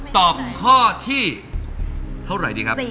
ตอบข้อที่เท่าไหร่ดีครับ